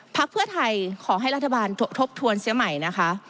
พักเพื่อไทยขอให้รัฐบาลทบทวนเสียใหม่นะคะ